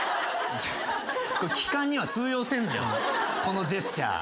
期間には通用せんのよこのジェスチャー。